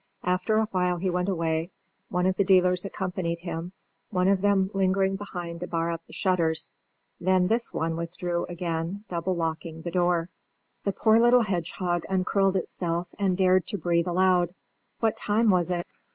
After a while he went away, one of the dealers accompanying him, one of them lingering behind to bar up the shutters. Then this one also withdrew again, double locking the door. The poor little hedgehog uncurled itself and dared to breathe aloud. What time was it?